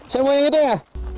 saya mau yang itu ya